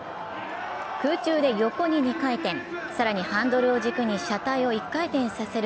空中で横に２回転、更にハンドルを軸に車体を１回転させる